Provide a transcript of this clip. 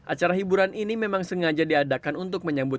acara hiburan ini memang sengaja diadakan oleh pemerintah jawa barat